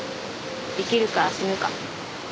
生きるか死ぬか。